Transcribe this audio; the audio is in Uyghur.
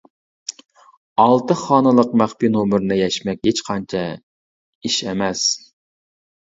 ئالتە خانىلىق مەخپىي نومۇرنى يەشمەك ھېچقانچە ئىش ئەمەس.